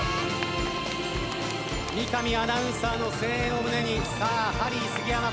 三上アナウンサーの声援を胸にハリー杉山虎視眈々